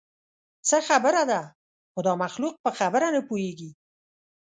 څه خبره ده؟ خو دا مخلوق په خبره نه پوهېږي.